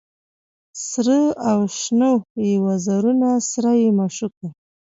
سره او شنه یې وزرونه سره مشوکه